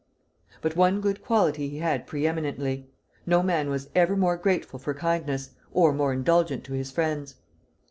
But one good quality he had pre eminently, no man was ever more grateful for kindness, or more indulgent to his friends.